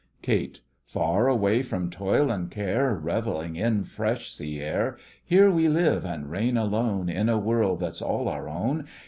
KATE: Far away from toil and care, Revelling in fresh sea air, Here we live and reign alone In a world that's all our own.